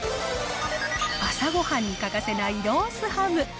朝ごはんに欠かせないロースハム。